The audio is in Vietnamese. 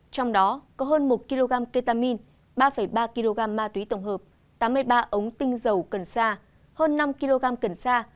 trong đó có hơn một kg ketamine ba ba kg ma túy tổng hợp tám mươi ba ống tinh dầu cần sa hơn năm kg cần sa